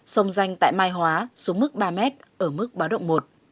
sông danh tại mai hóa xuống mức ba m ở mức báo động một